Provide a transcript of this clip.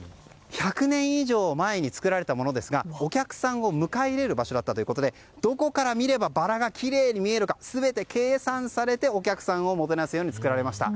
１００年以上前に作られたものですがお客さんを迎え入れる場所だったということでどこから見ればバラがきれいに見えるか全て計算されてお客さんをもてなすように作られました。